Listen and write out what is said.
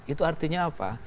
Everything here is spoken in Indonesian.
itu artinya apa